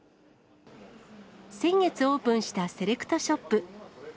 先月オープンしたセレクトショップ。